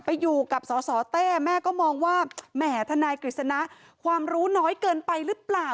ไปอยู่กับสสเต้แม่ก็มองว่าแหมทนายกฤษณะความรู้น้อยเกินไปหรือเปล่า